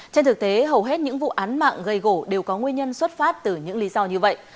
trên thực tế hầu hết những vụ án mạng gây gỗ đều có nguyên nhân xuất phát từ những lý do như vậy